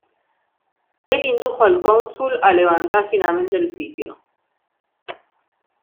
Él indujo al cónsul a levantar finalmente el sitio.